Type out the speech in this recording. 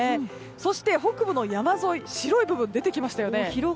そして北部の山沿いで白い部分が出てきましたね。